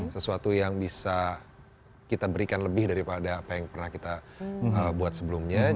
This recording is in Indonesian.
sesuatu yang bisa kita berikan lebih daripada apa yang pernah kita buat sebelumnya